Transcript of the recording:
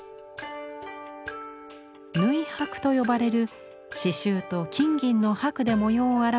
「縫箔」と呼ばれる刺繍と金銀の箔で模様を表した衣装です。